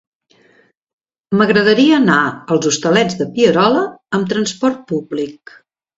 M'agradaria anar als Hostalets de Pierola amb trasport públic.